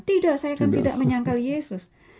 tidak saya kan tidak menyangkal yesus